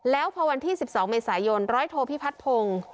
แล้วพอวันที่สิบสองเมษายนร้อยโทพี่พัดพง